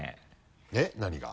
えっ？何が？